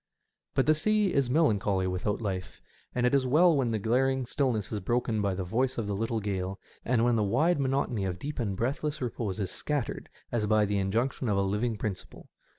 But the sea is melancholy without life, and it is well when the glaring stillness is broken by the voice of the little gale, and when the wide monotony of deep and breathless repose is scattered as by the injection of a living principle.